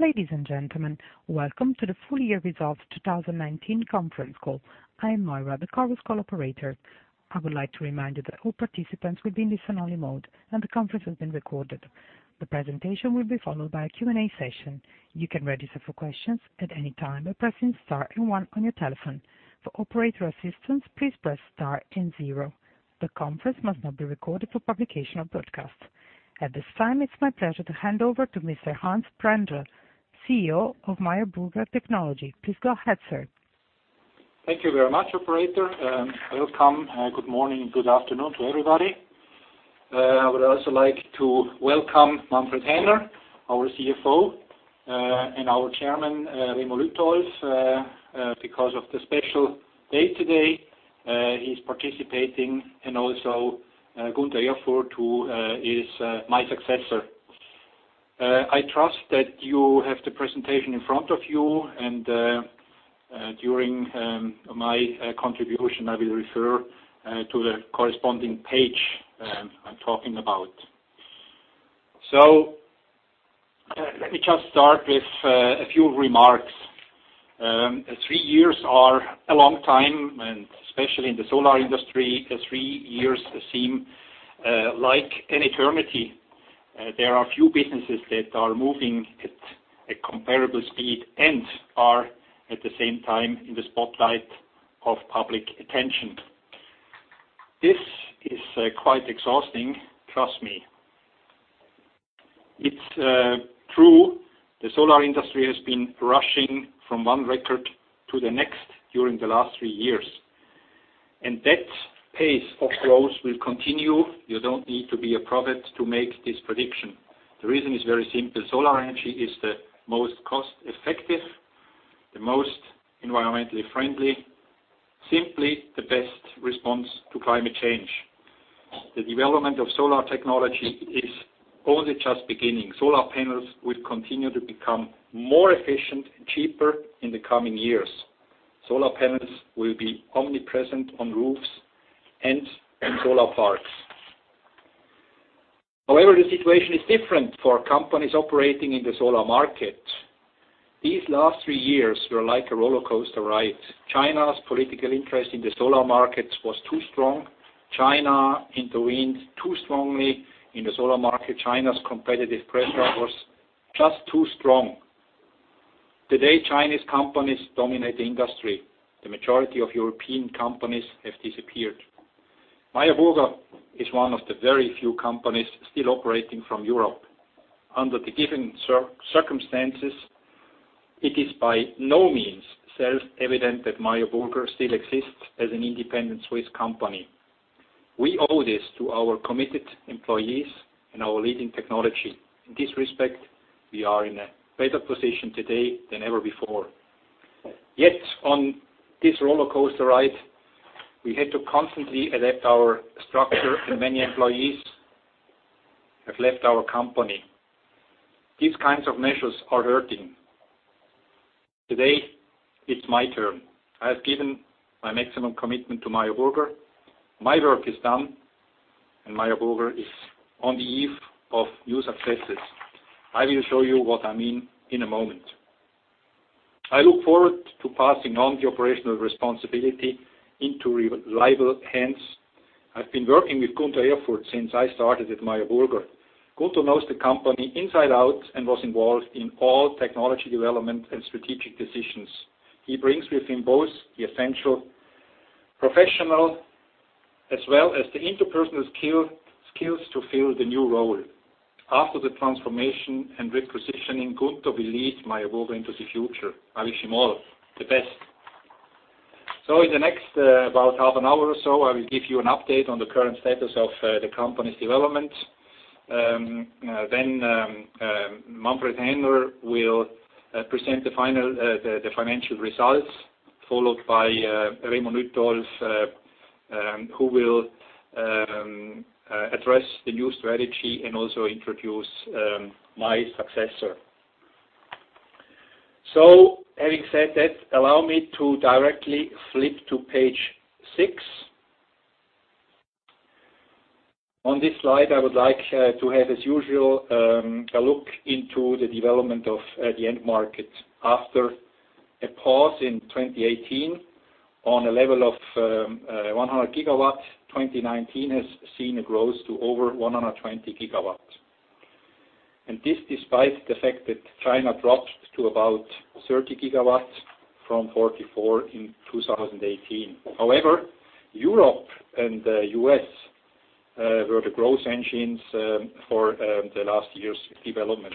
Ladies and gentlemen, welcome to the full year results 2019 conference call. I am Moira, the conference call operator. I would like to remind you that all participants will be in listen-only mode, and the conference is being recorded. The presentation will be followed by a Q and A session. You can register for questions at any time by pressing star and one on your telephone. For operator assistance, please press star and zero. The conference must not be recorded for publication or broadcast. At this time, it's my pleasure to hand over to Mr. Hans Brändle, CEO of Meyer Burger Technology. Please go ahead, sir. Thank you very much, operator. Welcome. Good morning and good afternoon to everybody. I would also like to welcome Manfred Häner, our CFO, and our Chairman, Remo Lütolf, because of the special day today, he's participating, and also Gunter Erfurt, who is my successor. I trust that you have the presentation in front of you. During my contribution, I will refer to the corresponding page I'm talking about. Let me just start with a few remarks. Three years are a long time, and especially in the solar industry, three years seem like an eternity. There are a few businesses that are moving at a comparable speed and are, at the same time, in the spotlight of public attention. This is quite exhausting, trust me. It's true, the solar industry has been rushing from one record to the next during the last three years. That pace of growth will continue. You don't need to be a prophet to make this prediction. The reason is very simple. Solar energy is the most cost-effective, the most environmentally friendly, simply the best response to climate change. The development of solar technology is only just beginning. Solar panels will continue to become more efficient and cheaper in the coming years. Solar panels will be omnipresent on roofs and in solar parks. However, the situation is different for companies operating in the solar market. These last three years were like a rollercoaster ride. China's political interest in the solar market was too strong. China intervened too strongly in the solar market. China's competitive pressure was just too strong. Today, Chinese companies dominate the industry. The majority of European companies have disappeared. Meyer Burger is one of the very few companies still operating from Europe. Under the given circumstances, it is by no means self-evident that Meyer Burger still exists as an independent Swiss company. We owe this to our committed employees and our leading technology. In this respect, we are in a better position today than ever before. Yet on this rollercoaster ride, we had to constantly adapt our structure, and many employees have left our company. These kinds of measures are hurting. Today, it's my turn. I have given my maximum commitment to Meyer Burger. My work is done, and Meyer Burger is on the eve of new successes. I will show you what I mean in a moment. I look forward to passing on the operational responsibility into reliable hands. I've been working with Gunter Erfurt since I started at Meyer Burger. Gunter knows the company inside out and was involved in all technology development and strategic decisions. He brings with him both the essential professional as well as the interpersonal skills to fill the new role. After the transformation and repositioning, Gunter will lead Meyer Burger into the future. I wish him all the best. In the next about half an hour or so, I will give you an update on the current status of the company's development. Manfred Häner will present the financial results, followed by Remo Lütolf, who will address the new strategy and also introduce my successor. Having said that, allow me to directly flip to page six. On this slide, I would like to have, as usual, a look into the development of the end market. After a pause in 2018 on a level of 100 GW, 2019 has seen a growth to over 120 GW. This despite the fact that China dropped to about 30 GW from 44 GW in 2018. However, Europe and the U.S. were the growth engines for the last year's development.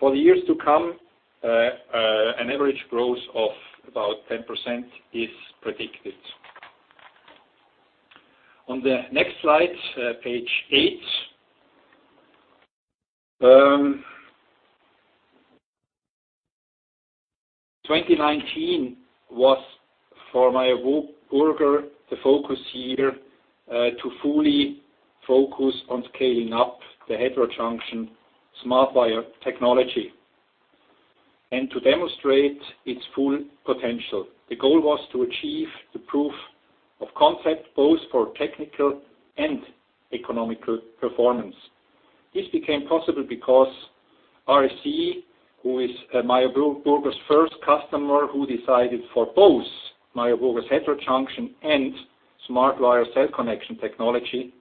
For the years to come, an average growth of about 10% is predicted. On the next slide, page eight. 2019 was, for Meyer Burger, the focus year to fully focus on scaling up the heterojunction/SmartWire technology and to demonstrate its full potential. The goal was to achieve the proof of concept both for technical and economical performance. This became possible because REC, who is Meyer Burger's first customer, who decided for both Meyer Burger's heterojunction and SmartWire cell connection technology,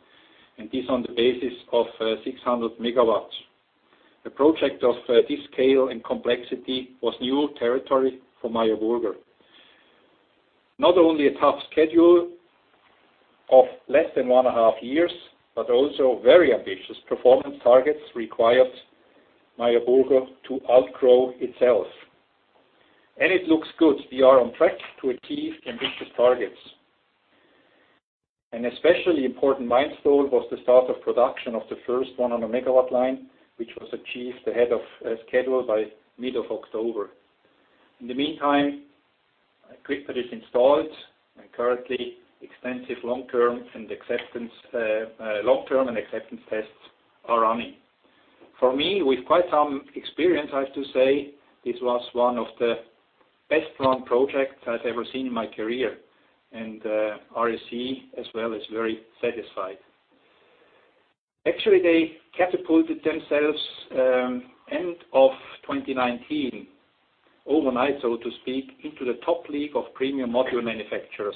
and this on the basis of 600 MW. The project of this scale and complexity was new territory for Meyer Burger. Not only a tough schedule of less than one and a half years, but also very ambitious performance targets required Meyer Burger to outgrow itself. It looks good. We are on track to achieve ambitious targets. An especially important milestone was the start of production of the first one on the megawatt line, which was achieved ahead of schedule by middle of October. In the meantime, equipment is installed and currently extensive long-term and acceptance tests are running. For me, with quite some experience, I have to say this was one of the best run projects I've ever seen in my career, and REC as well is very satisfied. Actually, they catapulted themselves end of 2019 overnight, so to speak, into the top league of premium module manufacturers,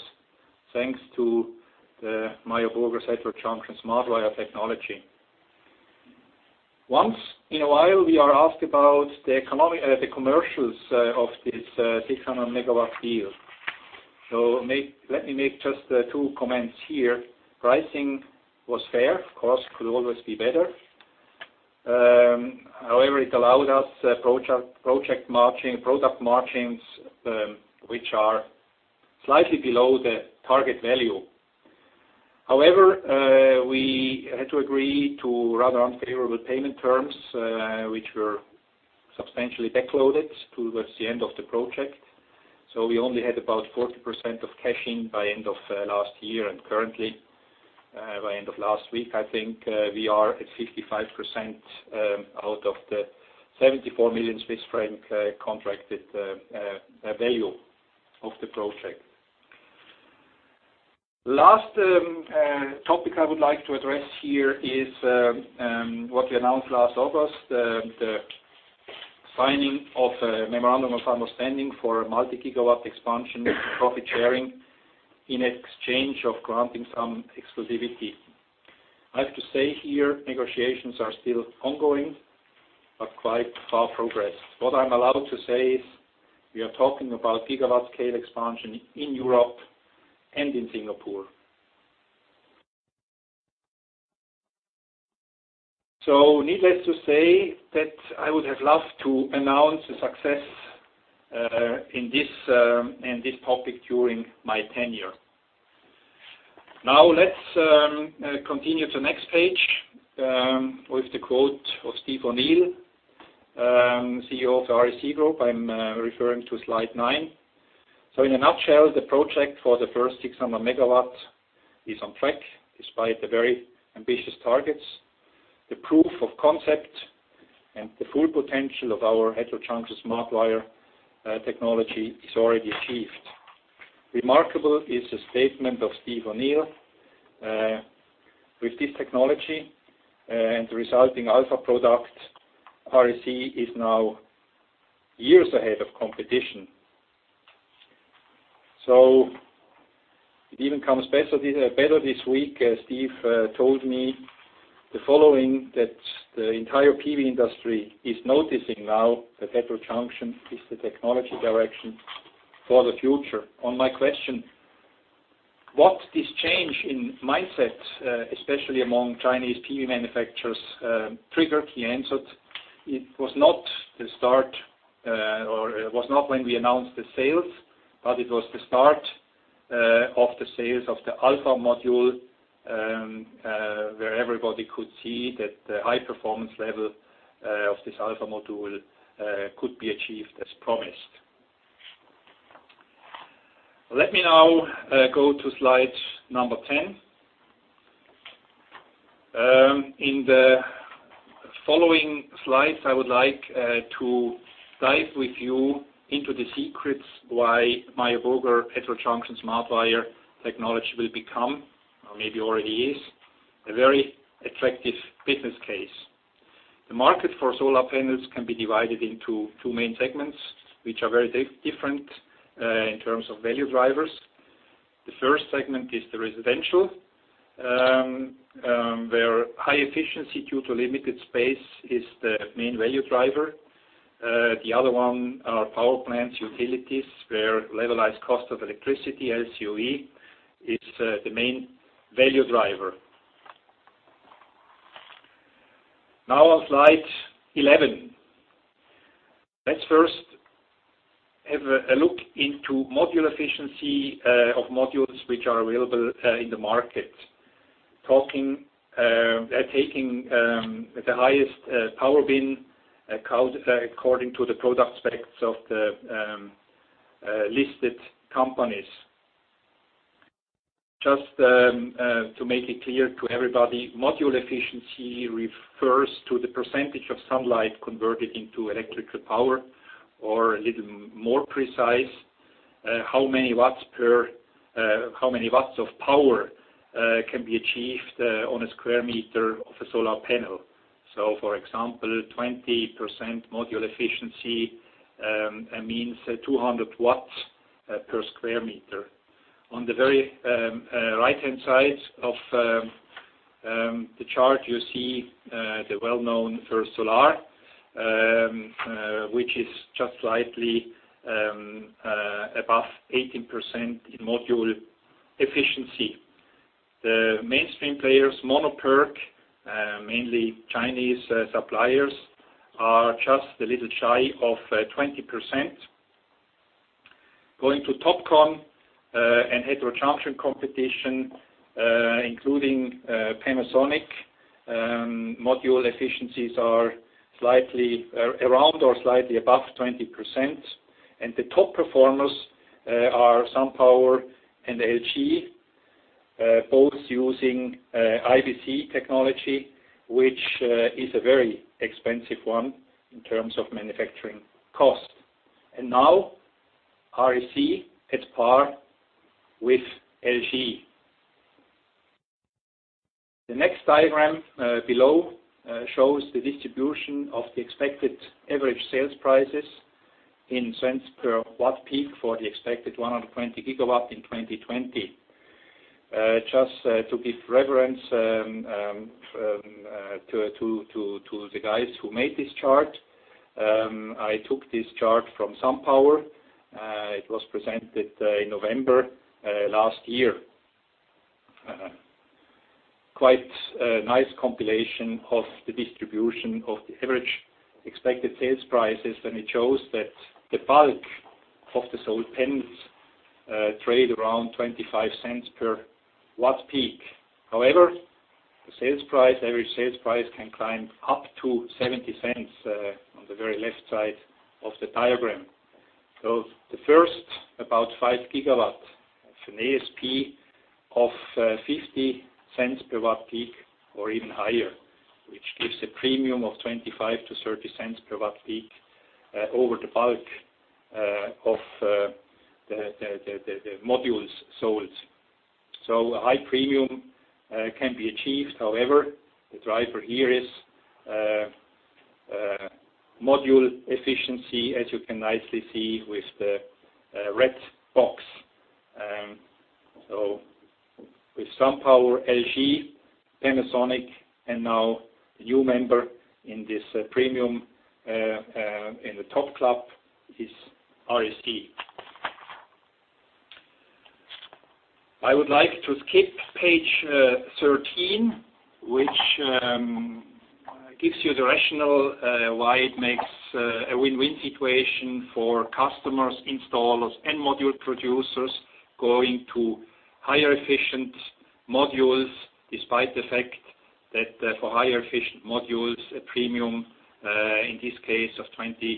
thanks to the Meyer Burger heterojunction/SmartWire Connection Technology. Once in a while we are asked about the commercials of this 600 MW deal. Let me make just two comments here. Pricing was fair. Cost could always be better. However, it allowed us product margins which are slightly below the target value. However, we had to agree to rather unfavorable payment terms, which were substantially back-loaded towards the end of the project. We only had about 40% of cash in by end of last year, and currently, by end of last week, I think we are at 55% out of the 74 million Swiss franc contracted value of the project. Last topic I would like to address here is what we announced last August, the signing of a memorandum of understanding for multi-gigawatt expansion profit sharing in exchange of granting some exclusivity. I have to say here, negotiations are still ongoing, but quite far progressed. What I'm allowed to say is we are talking about gigawatt scale expansion in Europe and in Singapore. Needless to say that I would have loved to announce the success in this topic during my tenure. Now let's continue to next page with the quote of Steve O'Neil, CEO of the REC Group. I'm referring to slide nine. In a nutshell, the project for the first 600 MW is on track despite the very ambitious targets. The proof of concept and the full potential of our heterojunction/SmartWire technology is already achieved. Remarkable is the statement of Steve O'Neil. With this technology and the resulting Alpha product, REC is now years ahead of competition. It even comes better this week, as Steve told me the following, that the entire PV industry is noticing now that heterojunction is the technology direction for the future. On my question, what this change in mindset, especially among Chinese PV manufacturers, triggered? He answered, it was not when we announced the sales, but it was the start of the sales of the Alpha module, where everybody could see that the high-performance level of this Alpha module could be achieved as promised. Let me now go to slide number 10. In the following slides, I would like to dive with you into the secrets why Meyer Burger heterojunction/SmartWire technology will become, or maybe already is, a very attractive business case. The market for solar panels can be divided into two main segments, which are very different in terms of value drivers. The first segment is the residential, where high efficiency due to limited space is the main value driver. The other one are power plants, utilities, where levelized cost of electricity, LCOE, is the main value driver. On slide 11. Let's first have a look into module efficiency of modules which are available in the market. Taking the highest power bin according to the product specs of the listed companies. Just to make it clear to everybody, module efficiency refers to the percentage of sunlight converted into electrical power, or a little more precise, how many watts of power can be achieved on a square meter of a solar panel. For example, 20% module efficiency means 200 watts per sq m. On the very right-hand side of the chart, you see the well-known First Solar, which is just slightly above 18% in module efficiency. The mainstream players, Mono-PERC, mainly Chinese suppliers, are just a little shy of 20%. Going to TOPCon and heterojunction competition, including Panasonic, module efficiencies are around or slightly above 20%, and the top performers are SunPower and LG, both using IBC technology, which is a very expensive one in terms of manufacturing cost. Now REC at par with LG. The next diagram below shows the distribution of the expected average sales prices in cents per watt-peak for the expected 120 GW in 2020. Just to give reverence to the guys who made this chart, I took this chart from SunPower. It was presented in November last year. Quite a nice compilation of the distribution of the average expected sales prices, and it shows that the bulk of the sold panels trade around 0.25 per watt-peak. However, the average sales price can climb up to 0.70 on the very left side of the diagram. The first about 5 GW of an ASP of 0.50 per watt-peak or even higher, which gives a premium of 0.25-0.30 per watt-peak over the bulk of the modules sold. A high premium can be achieved. However, the driver here is module efficiency, as you can nicely see with the red box. With SunPower, LG, Panasonic, and now the new member in this premium in the top club is REC. I would like to skip page 13, which gives you the rationale why it makes a win-win situation for customers, installers, and module producers going to higher efficient modules, despite the fact that for higher efficient modules, a premium, in this case of 0.20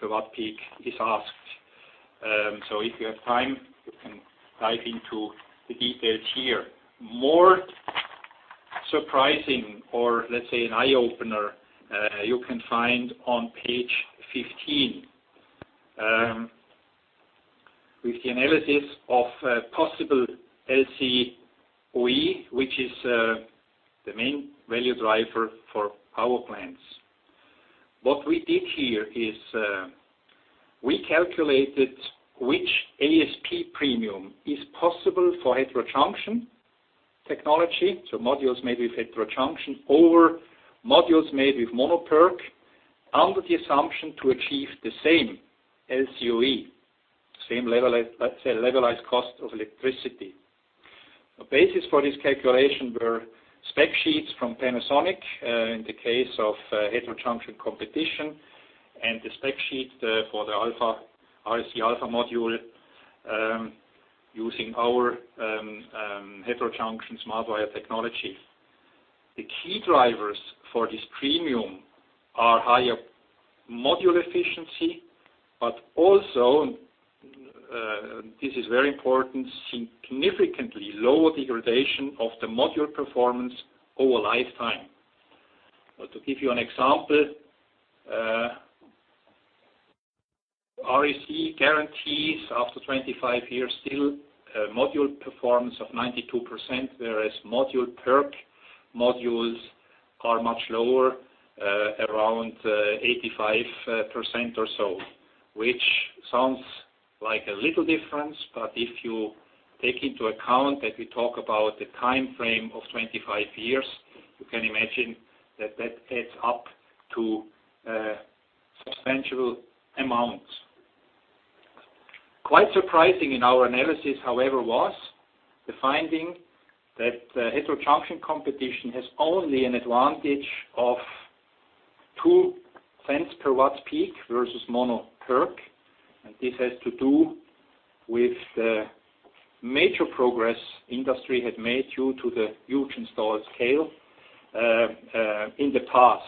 per watt-peak is asked. If you have time, you can dive into the details here. More surprising, or let's say an eye-opener, you can find on page 15, with the analysis of possible LCOE, which is the main value driver for power plants. What we did here is, we calculated which ASP premium is possible for heterojunction technology, so modules made with heterojunction or modules made with mono-PERC, under the assumption to achieve the same LCOE, same levelized cost of electricity. The basis for this calculation were spec sheets from Panasonic, in the case of heterojunction competition, and the spec sheet for the REC Alpha module using our heterojunction/SmartWire technology. The key drivers for this premium are higher module efficiency, but also, this is very important, significantly lower degradation of the module performance over lifetime. To give you an example, REC guarantees after 25 years, still module performance of 92%, whereas Mono-PERC modules are much lower, around 85% or so, which sounds like a little difference, but if you take into account that we talk about the time frame of 25 years, you can imagine that adds up to substantial amounts. Quite surprising in our analysis, however, was the finding that heterojunction competition has only an advantage of 0.02 per watt-peak versus Mono-PERC. This has to do with the major progress industry has made due to the huge installed scale in the past.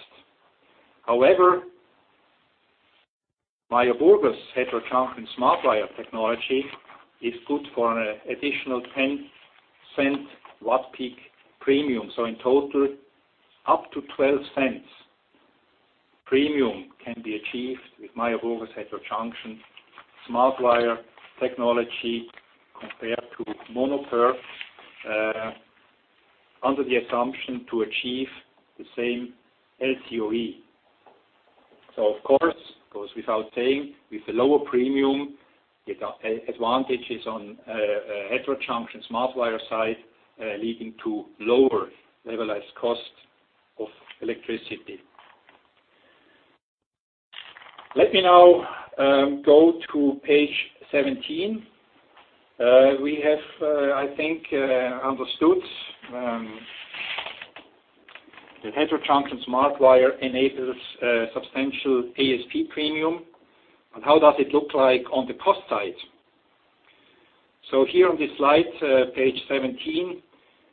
Meyer Burger's heterojunction/SmartWire technology is good for an additional 0.10 per watt-peak premium. In total, up to 0.12 premium can be achieved with Meyer Burger's heterojunction/SmartWire technology compared to Mono-PERC, under the assumption to achieve the same LCOE. Of course, it goes without saying, with the lower premium, advantages on heterojunction/SmartWire side, leading to lower levelized cost of electricity. Let me now go to page 17. We have, I think, understood the heterojunction/SmartWire enables substantial ASP premium. How does it look like on the cost side? Here on this slide, page 17,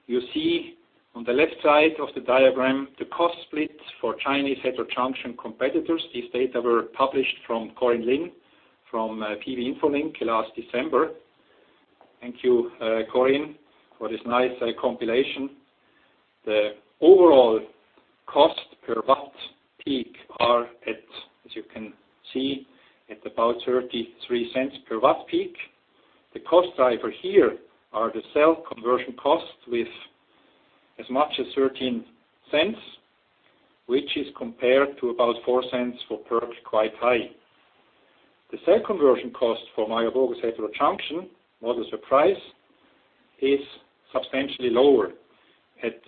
you see on the left side of the diagram, the cost split for Chinese heterojunction competitors. These data were published from Corrine Lin from PV InfoLink last December. Thank you, Corrine, for this nice compilation. The overall cost per watt-peak are at, as you can see, at about 0.33 per watt-peak. The cost driver here are the cell conversion costs with as much as 0.13, which is compared to about 0.04 for PERC, quite high. The cell conversion cost for Meyer Burger's heterojunction, not a surprise, is substantially lower at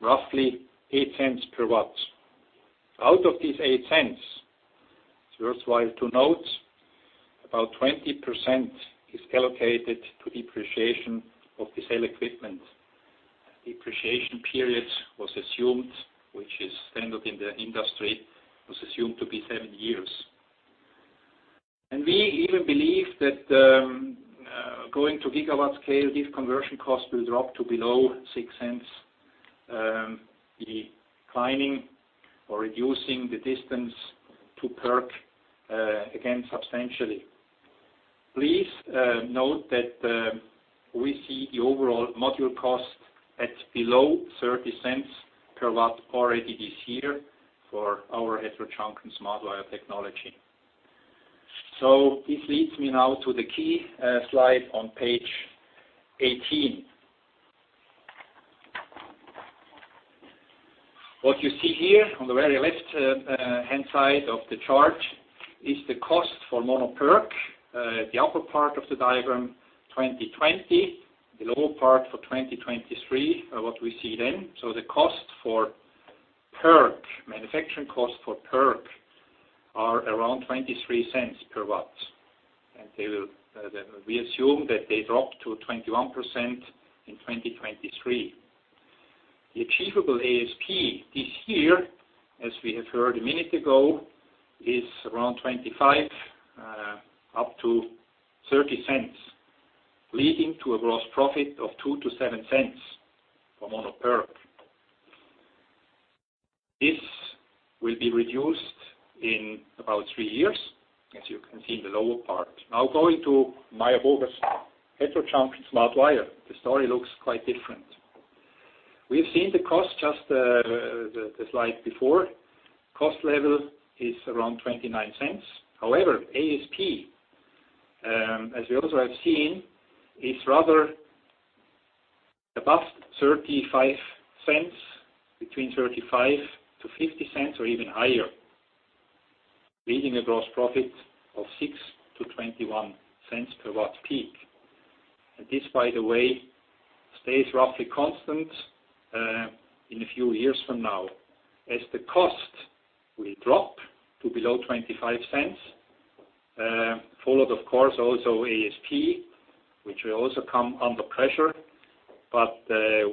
roughly 0.08 per watt. Out of these 0.08, it's worthwhile to note, about 20% is allocated to depreciation of the cell equipment. Depreciation period, which is standard in the industry, was assumed to be seven years. We even believe that going to gigawatt scale, these conversion costs will drop to below 0.06, declining or reducing the distance to PERC, again, substantially. Please note that we see the overall module cost at below 0.30/watt already this year for our heterojunction/SmartWire technology. This leads me now to the key slide on page 18. What you see here on the very left-hand side of the chart is the cost for Mono-PERC. The upper part of the diagram, 2020. The lower part for 2023, what we see then. The cost for PERC, manufacturing cost for PERC are around 0.23/watt. We assume that they drop to 21% in 2023. The achievable ASP this year, as we have heard a minute ago, is around 0.25, up to 0.30, leading to a gross profit of 0.02-0.07 for Mono-PERC. This will be reduced in about three years, as you can see in the lower part. Going to Meyer Burger's heterojunction/SmartWire, the story looks quite different. We've seen the cost, just the slide before. Cost level is around 0.29. However, ASP, as we also have seen, is rather above 0.35, between 0.35-0.50 or even higher, leaving a gross profit of 0.06-0.21 per watt-peak. This, by the way, stays roughly constant in a few years from now. The cost will drop to below 0.25, followed of course also ASP, which will also come under pressure, but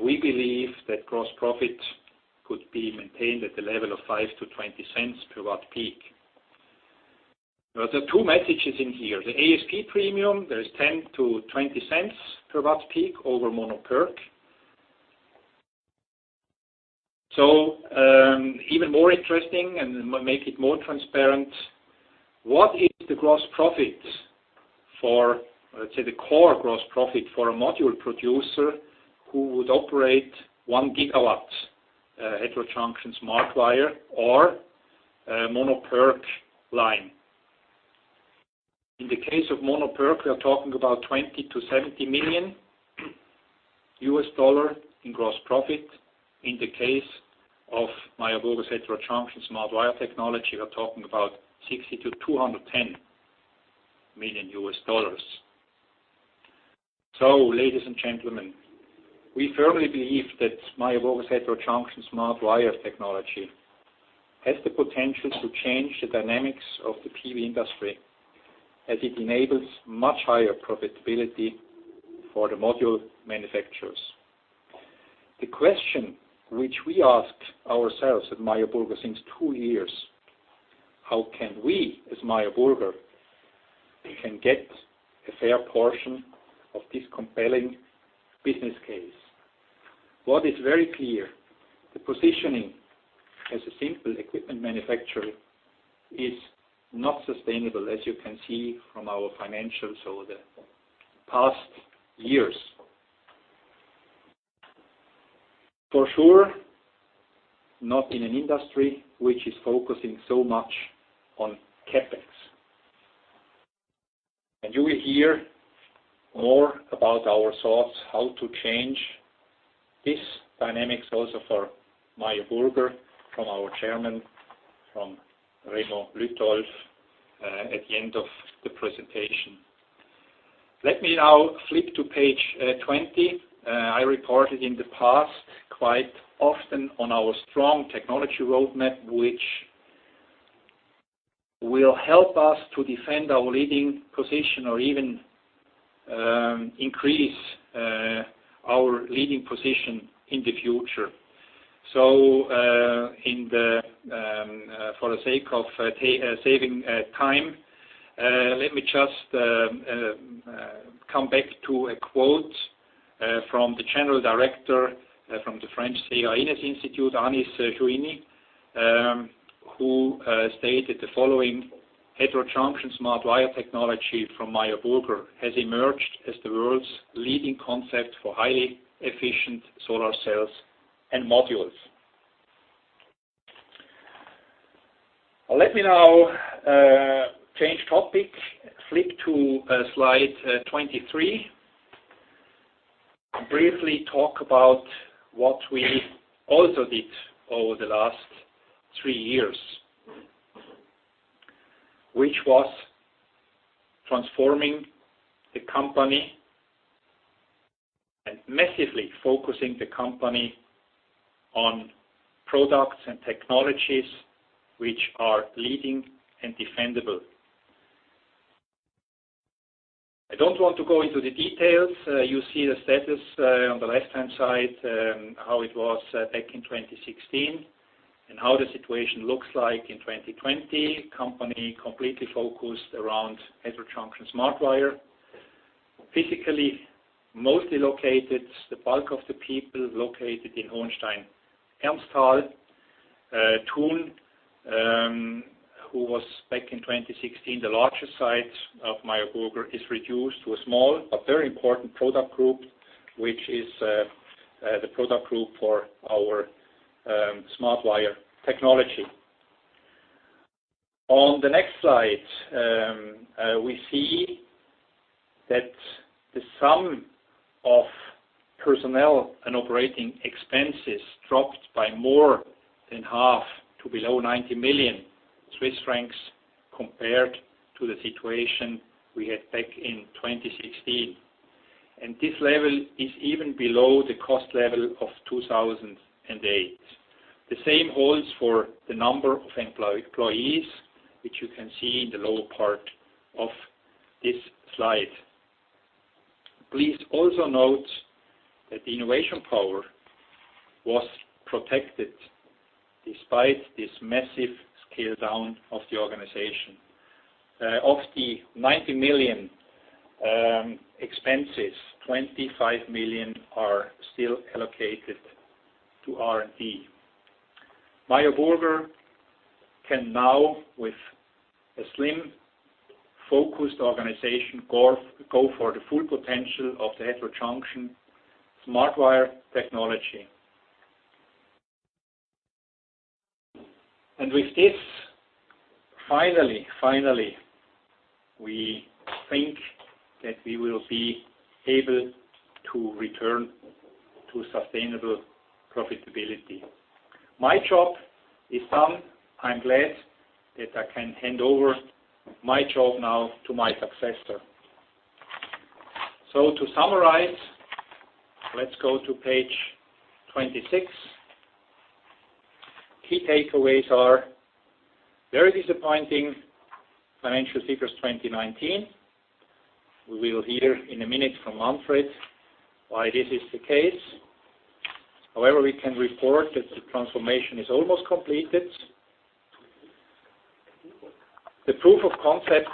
we believe that gross profit could be maintained at the level of 0.05-0.20 per watt-peak. There are two messages in here. The ASP premium, there is 0.10-0.20 per watt-peak over Mono-PERC. Even more interesting and make it more transparent, what is the gross profit for, let's say the core gross profit for a module producer who would operate 1 GW heterojunction/SmartWire or a Mono-PERC line. In the case of Mono-PERC, we are talking about $20 million-$70 million in gross profit. In the case of Meyer Burger's heterojunction/SmartWire technology, we're talking about $60 million-$210 million. Ladies and gentlemen, we firmly believe that Meyer Burger's heterojunction/SmartWire technology has the potential to change the dynamics of the PV industry, as it enables much higher profitability for the module manufacturers. The question which we asked ourselves at Meyer Burger since two years, how can we, as Meyer Burger, we can get a fair portion of this compelling business case. What is very clear. The positioning as a simple equipment manufacturer is not sustainable, as you can see from our financials over the past years. For sure, not in an industry which is focusing so much on CapEx. You will hear more about our thoughts, how to change these dynamics also for Meyer Burger from our Chairman, from Remo Lütolf, at the end of the presentation. Let me now flip to page 20. I reported in the past quite often on our strong technology roadmap, which will help us to defend our leading position or even increase our leading position in the future. For the sake of saving time, let me just come back to a quote from the General Director from the French CEA-INES institute, Anis Jouini, who stated the following: "Heterojunction/SmartWire technology from Meyer Burger has emerged as the world's leading concept for highly efficient solar cells and modules." Let me now change topic, flip to slide 23, and briefly talk about what we also did over the last three years, which was transforming the company and massively focusing the company on products and technologies which are leading and defendable. I don't want to go into the details. You see the status on the left-hand side, how it was back in 2016 and how the situation looks like in 2020. Company completely focused around heterojunction/SmartWire. Physically, mostly located, the bulk of the people, located in Hohenstein-Ernstthal. Thun, who was back in 2016 the largest site of Meyer Burger, is reduced to a small but very important product group, which is the product group for our SmartWire technology. On the next slide, we see that the sum of personnel and operating expenses dropped by more than half to below 90 million Swiss francs compared to the situation we had back in 2016, and this level is even below the cost level of 2008. The same holds for the number of employees, which you can see in the lower part of this slide. Please also note that the innovation power was protected despite this massive scale-down of the organization. Of the 90 million expenses, 25 million are still allocated to R&D. Meyer Burger can now, with a slim, focused organization, go for the full potential of the heterojunction/SmartWire technology. With this, finally we think that we will be able to return to sustainable profitability. My job is done. I'm glad that I can hand over my job now to my successor. To summarize, let's go to page 26. Key takeaways are very disappointing financial figures 2019. We will hear in a minute from Manfred why this is the case. However, we can report that the transformation is almost completed. The proof of concept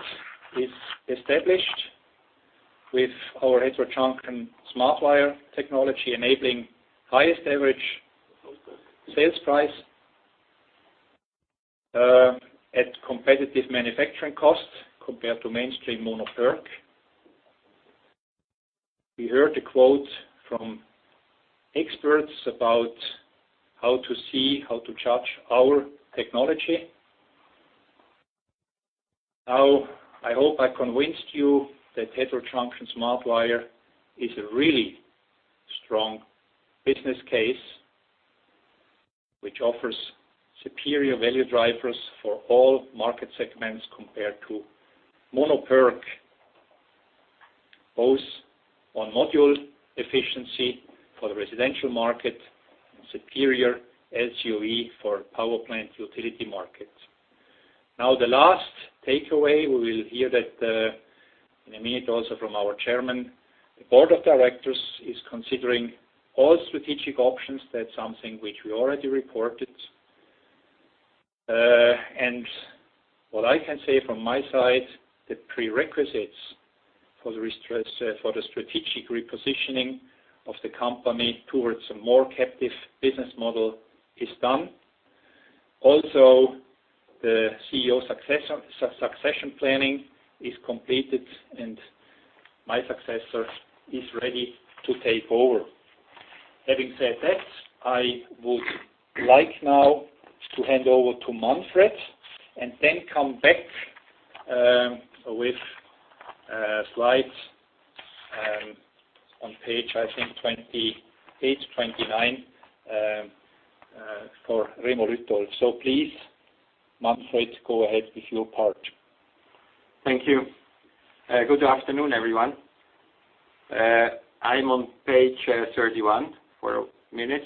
is established with our heterojunction/SmartWire technology enabling highest average sales price at competitive manufacturing costs compared to mainstream mono-PERC. We heard a quote from experts about how to see, how to judge our technology. I hope I convinced you that heterojunction/SmartWire is a really strong business case which offers superior value drivers for all market segments compared to mono-PERC, both on module efficiency for the residential market and superior LCOE for power plant utility market. The last takeaway, we will hear that in a minute also from our Chairman, the Board of Directors is considering all strategic options. That's something which we already reported. What I can say from my side, the prerequisites for the strategic repositioning of the company towards a more captive business model is done. The CEO succession planning is completed, and my successor is ready to take over. Having said that, I would like now to hand over to Manfred and then come back with slides on page, I think, 29 for Remo Lütolf. Please, Manfred, go ahead with your part. Thank you. Good afternoon, everyone. I'm on page 31 for a few minutes.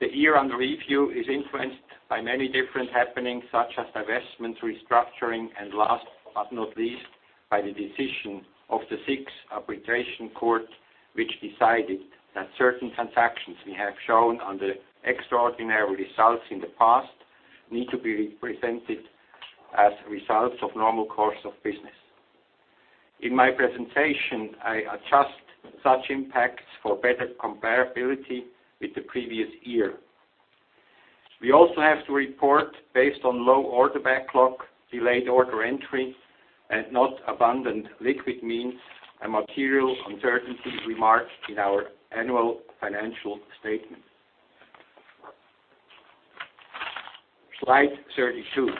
The year under review is influenced by many different happenings, such as divestments, restructuring, and last but not least, by the decision of the Swiss arbitration court, which decided that certain transactions we have shown on the extraordinary results in the past need to be presented as results of normal course of business. In my presentation, I adjust such impacts for better comparability with the previous year. We also have to report based on low order backlog, delayed order entry, and not abundant liquid means, a material uncertainty remarked in our annual financial statement. Slide 32.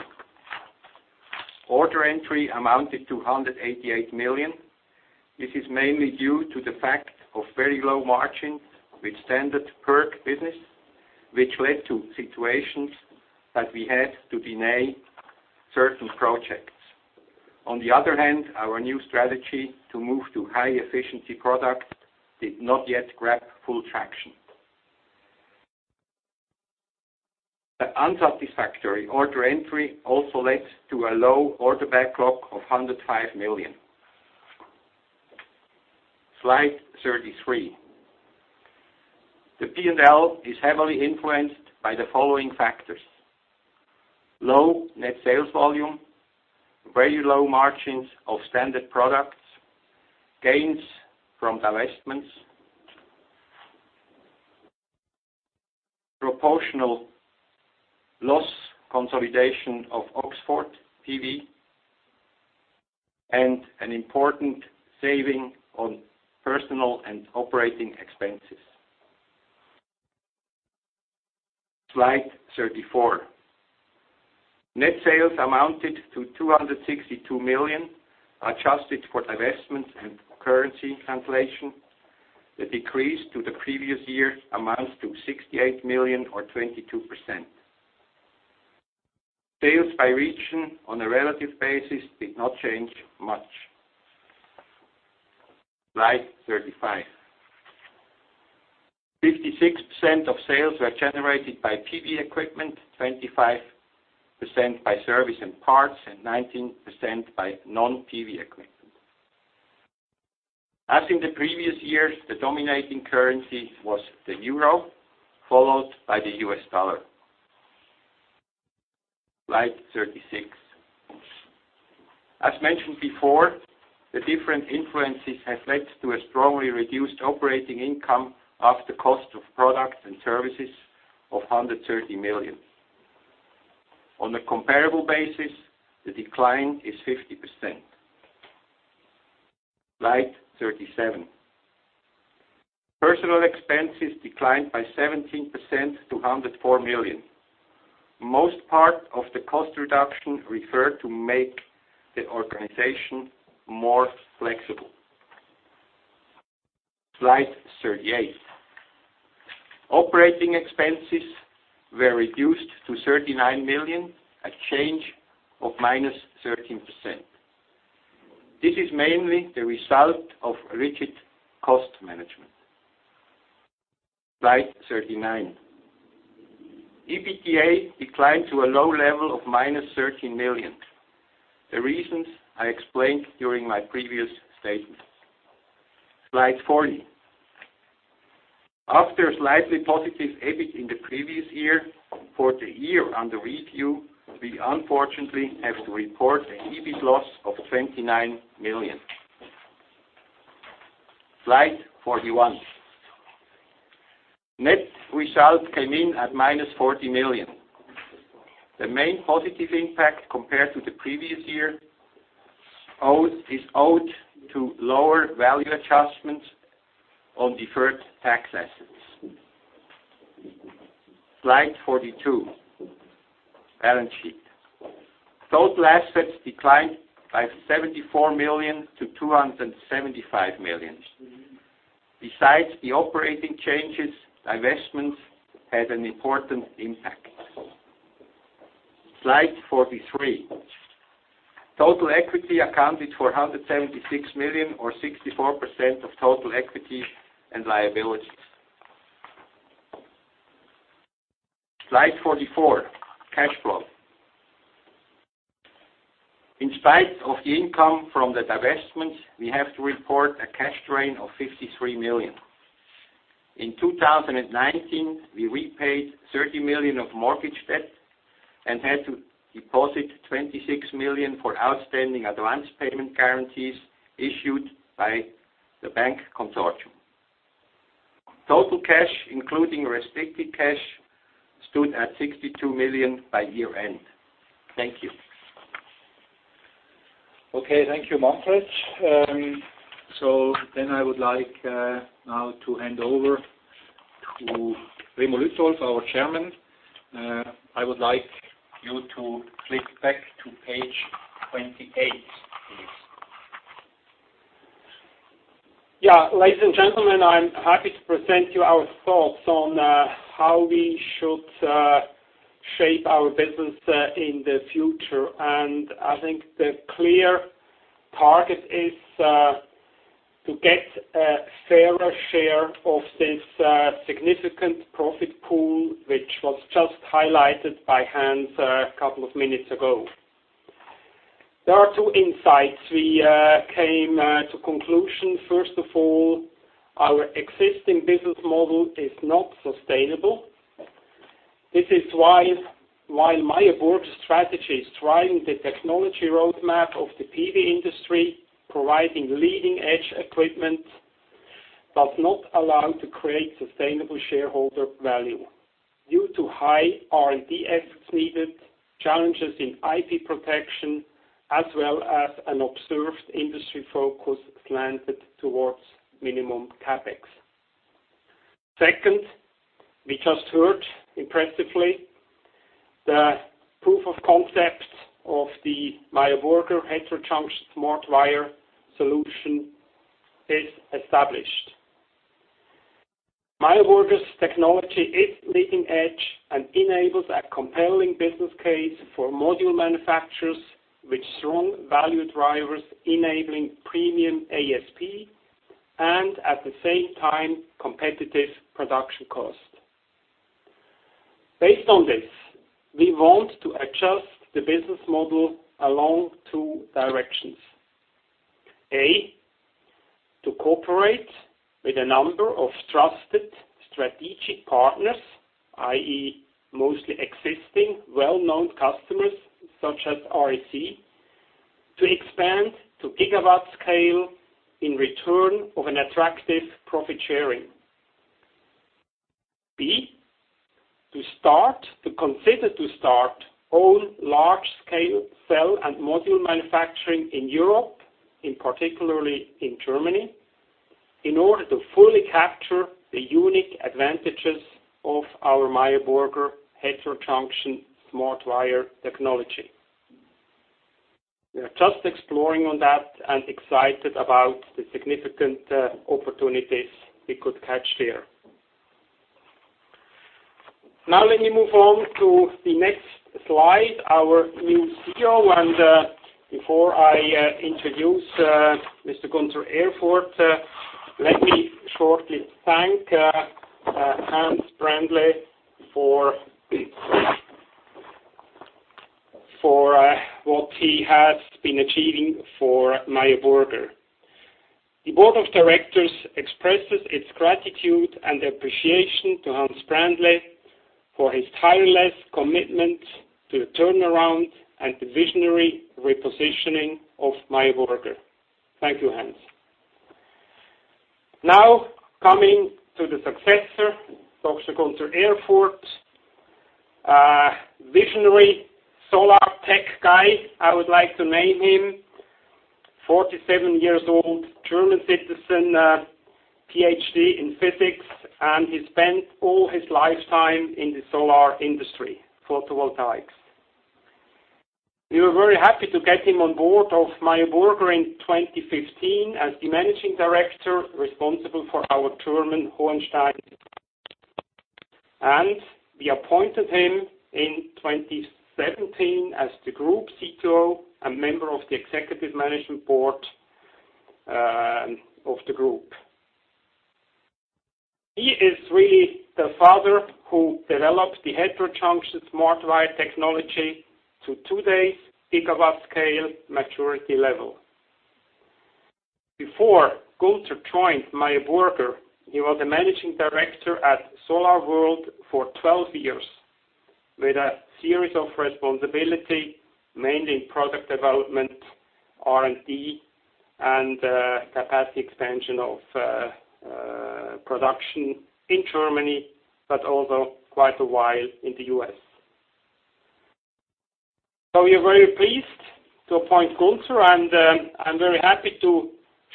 Order entry amounted to 188 million. This is mainly due to the fact of very low margin with standard PERC business, which led to situations that we had to deny certain projects. On the other hand, our new strategy to move to high-efficiency product did not yet grab full traction. The unsatisfactory order entry also led to a low order backlog of 105 million. Slide 33. The P&L is heavily influenced by the following factors: low net sales volume, very low margins of standard products, gains from divestments, proportional loss consolidation of Oxford PV, and an important saving on personal and operating expenses. Slide 34. Net sales amounted to 262 million, adjusted for divestments and currency translation. The decrease to the previous year amounts to 68 million or 22%. Sales by region on a relative basis did not change much. Slide 35. 56% of sales were generated by PV equipment, 25% by service and parts, and 19% by non-PV equipment. As in the previous years, the dominating currency was the euro, followed by the US dollar. Slide 36. As mentioned before, the different influences have led to a strongly reduced operating income after cost of products and services of 130 million. On a comparable basis, the decline is 50%. Slide 37. Personnel expenses declined by 17% to 104 million. Most part of the cost reduction referred to make the organization more flexible. Slide 38. Operating expenses were reduced to 39 million, a change of -13%. This is mainly the result of rigid cost management. Slide 39. EBITDA declined to a low level of -13 million. The reasons I explained during my previous statement. Slide 40. After a slightly positive EBIT in the previous year, for the year under review, we unfortunately have to report an EBIT loss of 29 million. Slide 41. Net result came in at -40 million. The main positive impact compared to the previous year is owed to lower value adjustments on deferred tax assets. Slide 42. Balance sheet. Total assets declined by 74 million to 275 million. Besides the operating changes, divestments had an important impact. Slide 43. Total equity accounted for 176 million or 64% of total equity and liabilities. Slide 44. Cash flow. In spite of the income from the divestment, we have to report a cash drain of 53 million. In 2019, we repaid 30 million of mortgage debt and had to deposit 26 million for outstanding advanced payment guarantees issued by the bank consortium. Total cash, including restricted cash, stood at 62 million by year-end. Thank you. Okay. Thank you, Manfred. I would like now to hand over to Remo Lütolf, our Chairman. I would like you to flip back to page 28, please. Yeah. Ladies and gentlemen, I'm happy to present you our thoughts on how we should shape our business in the future. I think the clear target is to get a fairer share of this significant profit pool, which was just highlighted by Hans a couple of minutes ago. There are two insights. We came to conclusion, first of all, our existing business model is not sustainable. This is why Meyer Burger's strategy is driving the technology roadmap of the PV industry, providing leading-edge equipment, does not allow to create sustainable shareholder value due to high R&D efforts needed, challenges in IP protection, as well as an observed industry focus slanted towards minimum CapEx. Second, we just heard impressively the proof of concept of the Meyer Burger heterojunction/SmartWire solution is established. Meyer Burger's technology is leading edge and enables a compelling business case for module manufacturers which strong value drivers enabling premium ASP and at the same time, competitive production cost. Based on this, we want to adjust the business model along two directions. A, to cooperate with a number of trusted strategic partners, i.e., mostly existing well-known customers such as REC, to expand to gigawatt scale in return of an attractive profit-sharing. B, to consider to start own large-scale cell and module manufacturing in Europe, in particular in Germany, in order to fully capture the unique advantages of our Meyer Burger heterojunction/SmartWire technology. We are just exploring on that and excited about the significant opportunities we could catch there. Let me move on to the next slide, our new CEO, and before I introduce Mr. Gunter Erfurt, let me shortly thank Hans Brändle for what he has been achieving for Meyer Burger. The Board of Directors expresses its gratitude and appreciation to Hans Brändle for his tireless commitment to the turnaround and the visionary repositioning of Meyer Burger. Thank you, Hans. Coming to the successor, Dr. Gunter Erfurt, visionary solar tech guy, I would like to name him. 47 years old, German citizen, PhD in physics, and he spent all his lifetime in the solar industry, photovoltaics. We were very happy to get him on board of Meyer Burger in 2015 as the managing director responsible for our Thüringen, Hohenstein and we appointed him in 2017 as the group CTO, a member of the executive management board of the group. He is really the father who developed the heterojunction/SmartWire Connection Technology to today's gigawatt scale maturity level. Before Gunter joined Meyer Burger, he was the Managing Director at SolarWorld for 12 years with a series of responsibility, mainly in product development, R&D, and capacity expansion of production in Germany, but also quite a while in the U.S. We are very pleased to appoint Gunter, and I'm very happy to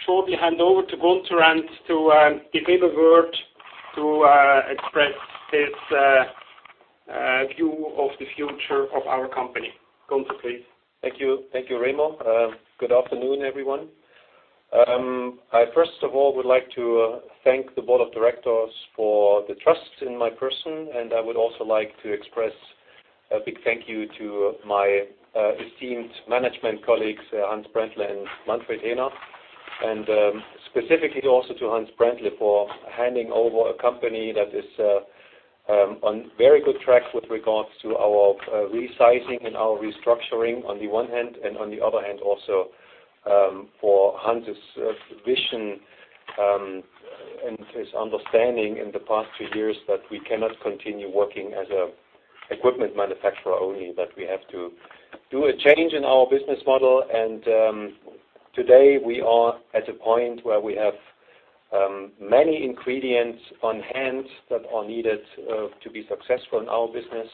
shortly hand over to Gunter and to give him a word to express his view of the future of our company. Gunter, please. Thank you. Thank you, Remo. Good afternoon, everyone. I first of all would like to thank the Board of Directors for the trust in my person. I would also like to express a big thank you to my esteemed management colleagues, Hans Brändle and Manfred Häner. Specifically also to Hans Brändle for handing over a company that is on very good track with regards to our resizing and our restructuring on the one hand, and on the other hand, also for Hans' vision and his understanding in the past two years that we cannot continue working as an equipment manufacturer only, that we have to do a change in our business model. Today we are at a point where we have many ingredients on hand that are needed to be successful in our business.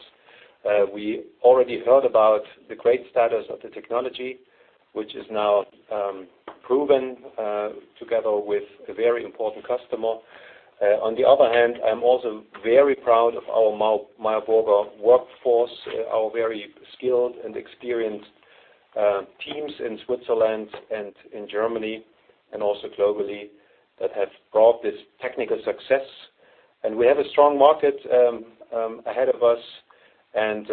We already heard about the great status of the technology, which is now proven, together with a very important customer. On the other hand, I'm also very proud of our Meyer Burger workforce, our very skilled and experienced teams in Switzerland and in Germany, and also globally, that have brought this technical success. We have a strong market ahead of us, and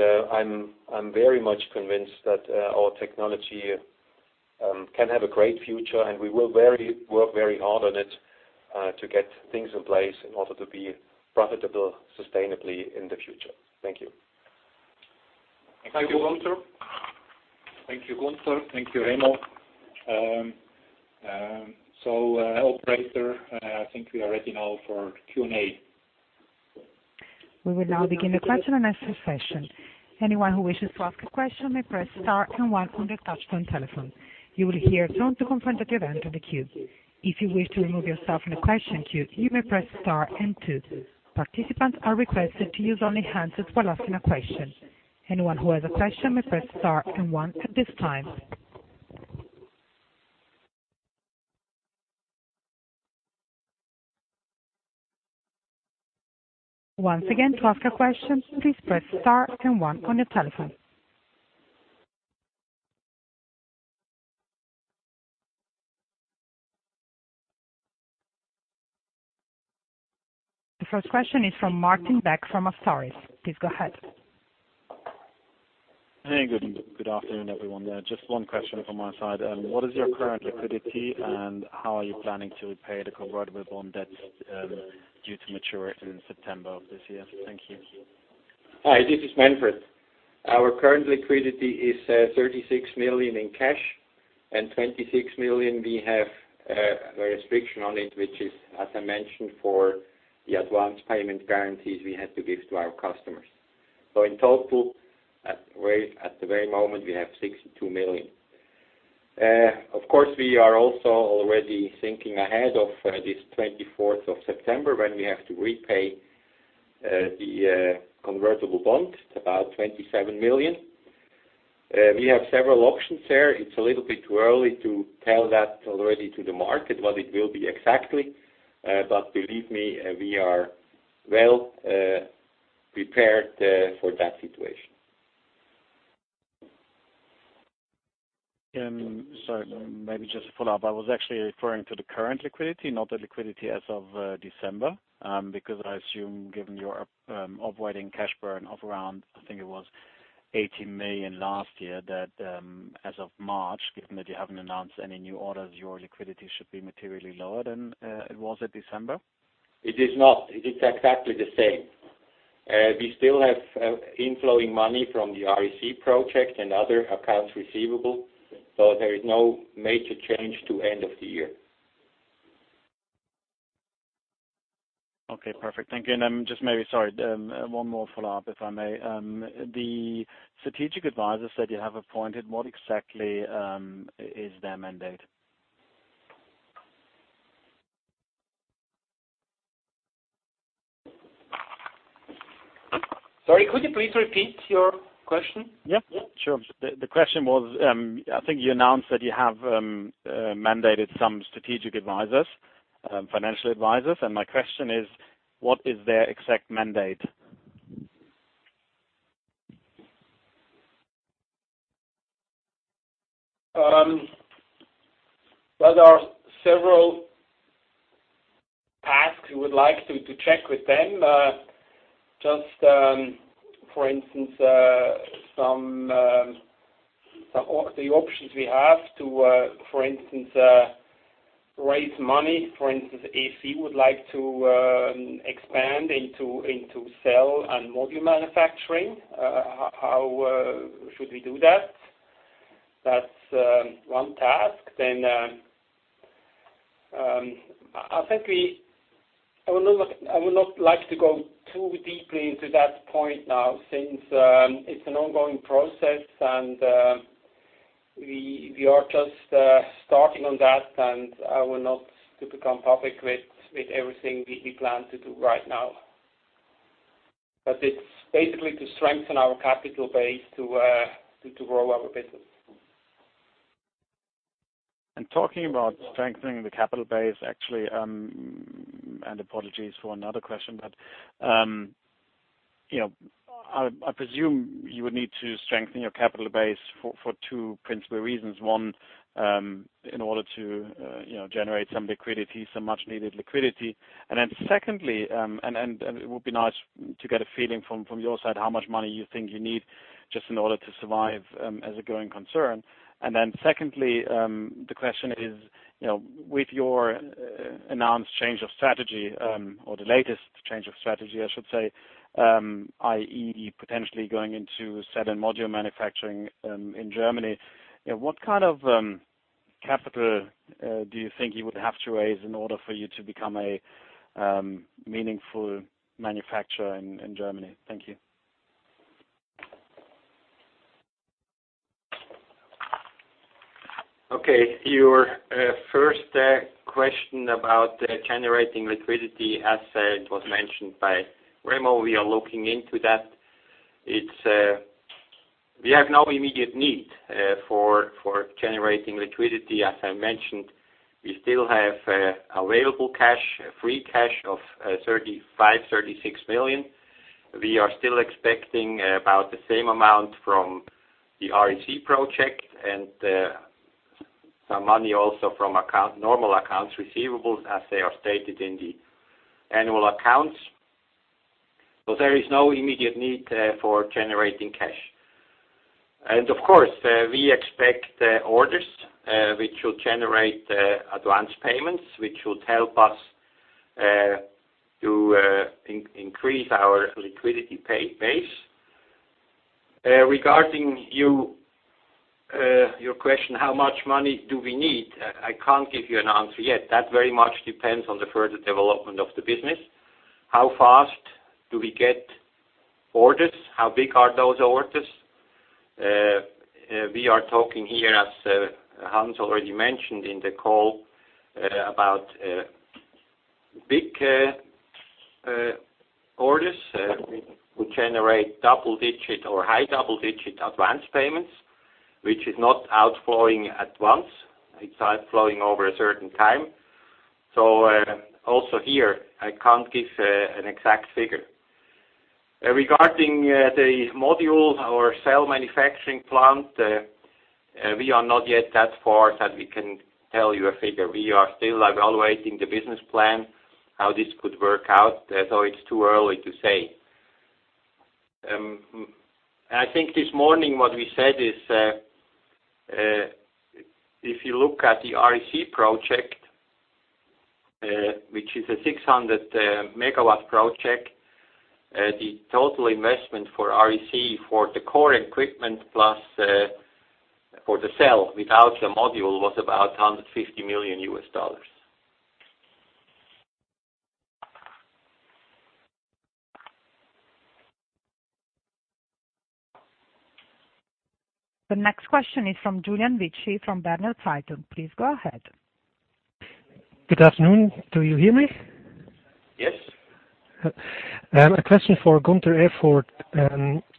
I'm very much convinced that our technology can have a great future, and we will work very hard on it to get things in place in order to be profitable sustainably in the future. Thank you. Thank you, Gunter. Thank you, Remo. Operator, I think we are ready now for Q and A. We will now begin the question and answer session. Anyone who wishes to ask a question may press star and one on their touchtone telephone. You will hear a tone to confirm that you're in the queue. If you wish to remove yourself from the question queue, you may press star and two. Participants are requested to use only hands while asking a question. Anyone who has a question may press star and one at this time. Once again, to ask a question, please press star and one on your telephone. The first question is from Martin Beck from Astaris. Please go ahead. Hey, good afternoon, everyone there. Just one question from my side. What is your current liquidity, and how are you planning to repay the convertible bond debt due to mature in September of this year? Thank you. Hi, this is Manfred. Our current liquidity is 36 million in cash and 26 million we have a restriction on it, which is, as I mentioned, for the advance payment guarantees we had to give to our customers. In total, at the very moment, we have 62 million. Of course, we are also already thinking ahead of this 24th of September when we have to repay the convertible bond. It's about 27 million. We have several options there. It's a little bit too early to tell that already to the market what it will be exactly. Believe me, we are well-prepared for that situation. Sorry, maybe just a follow-up. I was actually referring to the current liquidity, not the liquidity as of December. Because I assume, given your operating cash burn of around, I think it was 80 million last year, that as of March, given that you haven't announced any new orders, your liquidity should be materially lower than it was at December. It is not. It is exactly the same. We still have inflowing money from the REC project and other accounts receivable. There is no major change to end of the year. Okay, perfect. Thank you. Just maybe, sorry one more follow-up, if I may. The strategic advisor said you have appointed, what exactly is their mandate? Sorry, could you please repeat your question? Yeah, sure. The question was, I think you announced that you have mandated some strategic advisors, financial advisors, my question is, what is their exact mandate? There are several tasks we would like to check with them. Just for instance, the options we have to, for instance, raise money. For instance, if we would like to expand into cell and module manufacturing, how should we do that? That's one task. I think I would not like to go too deeply into that point now since it's an ongoing process, and we are just starting on that, and I will not become public with everything we plan to do right now. It's basically to strengthen our capital base to grow our business. Talking about strengthening the capital base, actually, and apologies for another question, I presume you would need to strengthen your capital base for two principal reasons. One, in order to generate some much needed liquidity. Secondly, it would be nice to get a feeling from your side how much money you think you need just in order to survive as a growing concern. Secondly, the question is, with your announced change of strategy, or the latest change of strategy I should say, i.e., potentially going into cell and module manufacturing in Germany, what kind of capital do you think you would have to raise in order for you to become a meaningful manufacturer in Germany? Thank you. Okay. Your first question about generating liquidity, as it was mentioned by Remo, we are looking into that. We have no immediate need for generating liquidity. As I mentioned, we still have available cash, free cash of 35 million-36 million. We are still expecting about the same amount from the REC project and some money also from normal accounts receivables as they are stated in the annual accounts. There is no immediate need for generating cash. Of course, we expect orders which will generate advance payments, which will help us to increase our liquidity base. Regarding your question, how much money do we need? I can't give you an answer yet. That very much depends on the further development of the business. How fast do we get orders? How big are those orders? We are talking here, as Hans already mentioned in the call, about big orders. We generate double-digit or high double-digit advance payments, which is not outflowing at once. It's outflowing over a certain time. Also here, I can't give an exact figure. Regarding the module or cell manufacturing plant, we are not yet that far that we can tell you a figure. We are still evaluating the business plan, how this could work out. It's too early to say. I think this morning what we said is, if you look at the REC project, which is a 600 MW project, the total investment for REC for the core equipment plus for the cell without the module was about $150 million. The next question is from Julian Witschi from Berner Zeitung. Please go ahead. Good afternoon. Do you hear me? Yes. A question for Gunter Erfurt.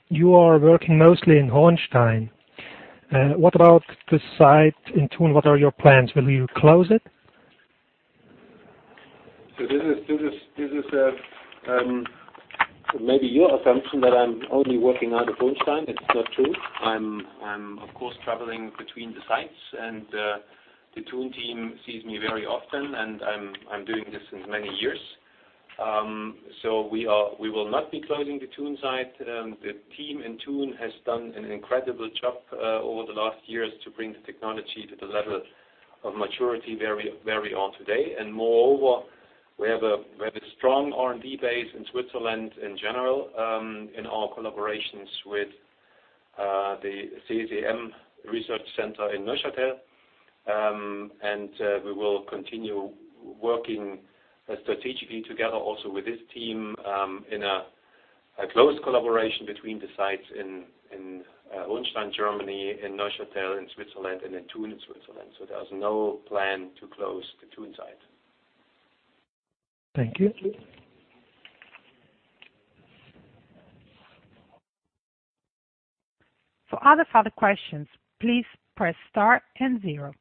You are working mostly in Hohenstein. What about the site in Thun? What are your plans? Will you close it? This is maybe your assumption that I'm only working out of Hohenstein. That's not true. I'm of course traveling between the sites and the Thun team sees me very often and I'm doing this since many years. We will not be closing the Thun site. The team in Thun has done an incredible job over the last years to bring the technology to the level of maturity where we are today. Moreover, we have a strong R&D base in Switzerland in general in our collaborations with the CSEM Research Centre in Neuchâtel. We will continue working strategically together also with this team in a close collaboration between the sites in Hohenstein, Germany, in Neuchâtel in Switzerland, and in Thun in Switzerland. There's no plan to close the Thun site. Thank you. For other further questions, please press star and zero.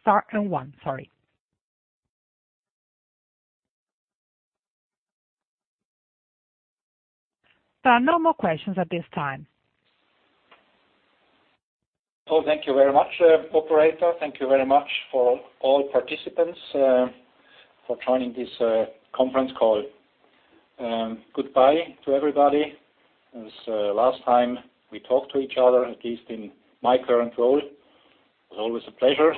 Star and one, sorry. There are no more questions at this time. Thank you very much, operator. Thank you very much for all participants for joining this conference call. Goodbye to everybody. It is last time we talk to each other, at least in my current role. It is always a pleasure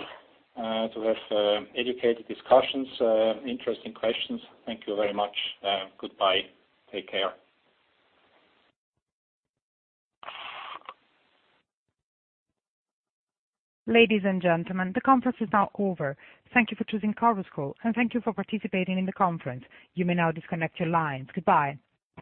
to have educated discussions, interesting questions. Thank you very much. Goodbye. Take care. Ladies and gentlemen, the conference is now over. Thank you for choosing Chorus Call, and thank you for participating in the conference. You may now disconnect your lines. Goodbye.